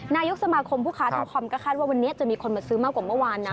นายกสมาคมผู้ค้าทองคอมก็คาดว่าวันนี้จะมีคนมาซื้อมากกว่าเมื่อวานนะ